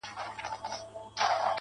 سم خراب سوی دی پر ميکدې نه راځي~